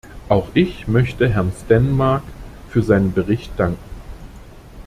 Auch ich möchte Herrn Stenmarck für seinen Bericht danken.